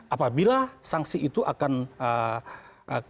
apabila sanksi itu akan diberikan